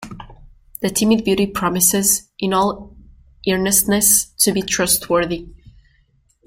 The timid beauty promises in all earnestness to be trustworthy.